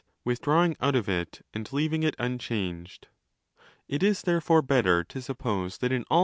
withdrawing out of it and leaving it unchanged. It is therefore better to suppose that in all instances of 1 i.